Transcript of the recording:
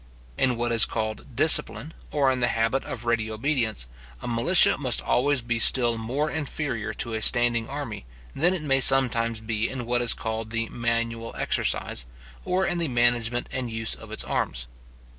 In what is called discipline, or in the habit of ready obedience, a militia must always be still more inferior to a standing army, than it may sometimes be in what is called the manual exercise, or in the management and use of its arms.